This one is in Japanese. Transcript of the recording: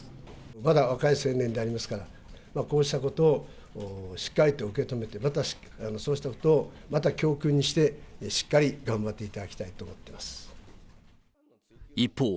まだ若い青年でありますから、こうしたことをしっかりと受け止めて、またそうしたことを、また教訓にして、しっかり頑張っていただきたいと思っております。